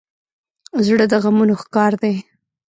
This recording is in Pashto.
زړه د غمونو ښکار دی.